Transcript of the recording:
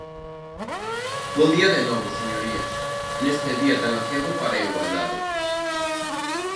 Bo día de novo, señorías, neste día tan aciago para a igualdade.